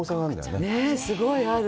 ねぇ、すごいある。